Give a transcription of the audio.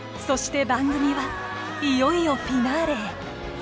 そして番組はいよいよフィナーレへ。